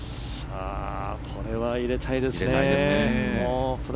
これは入れたいですね。